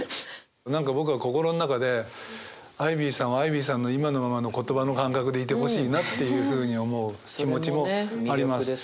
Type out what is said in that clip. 何か僕は心の中でアイビーさんはアイビーさんの今のままの言葉の感覚でいてほしいなっていうふうに思う気持ちもあります。